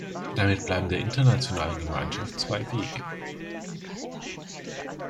Damit bleiben der internationalen Gemeinschaft zwei Wege.